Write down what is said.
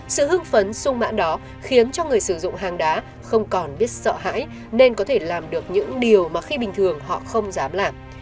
sự hưng phấn sung mãn đó khiến cho người sử dụng hàng đá không còn biết sợ hãi nên có thể làm được những điều mà khi bình thường họ không dám làm